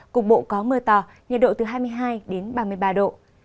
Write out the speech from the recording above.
cục bộ có mưa to nhiệt độ từ hai mươi hai đến ba mươi ba độ